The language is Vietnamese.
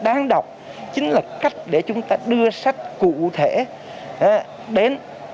đáng đọc chính là cách để chúng ta đưa sách cụ thể đến công nghiệp chúng ta đưa sách cụ thể đến